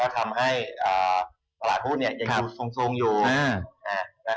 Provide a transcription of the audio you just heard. ก็ทำให้ตลาดหุ้นเนี่ยยังอยู่ทรงอยู่นะครับ